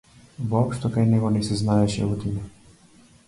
Воопшто кај него не се знаеше лутина.